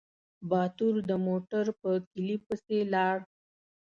باتور د موټر په کيلي پسې لاړ.